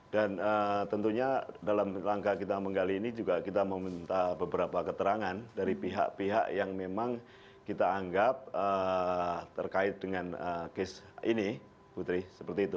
dan tentunya dalam langkah kita menggali ini juga kita meminta beberapa keterangan dari pihak pihak yang memang kita anggap terkait dengan kes ini putri seperti itu